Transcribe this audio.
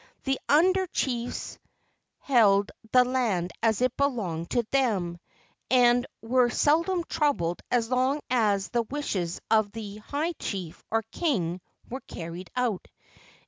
The under¬ chiefs held the land as if it belonged to them, and were seldom troubled as long as the wishes of the high chief, or king, were carried out.